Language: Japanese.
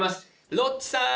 ロッチさん！